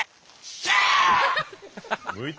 シャー！